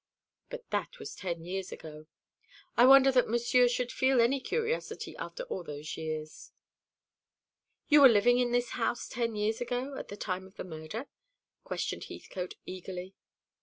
But that was ten years ago. I wonder that Monsieur should feel any curiosity after all those years." "You were living in this house ten years ago, at the time of the murder?" questioned Heathcote eagerly.